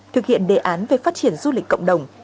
thực hiện đề án về phát triển du lịch cộng đồng